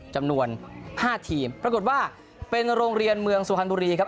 จำนวน๕ทีมปรากฏว่าเป็นโรงเรียนเมืองสุพรรณบุรีครับ